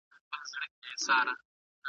که تدریس دوام وکړي، زده کړه نه درېږي.